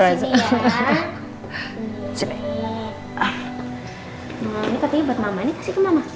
ini katanya buat mama ini kasih ke mama